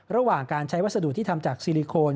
ระหว่างการใช้วัสดุที่ทำจากซิลิโคน